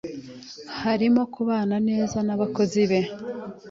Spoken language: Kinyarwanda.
Arimo kubana neza nabakozi be.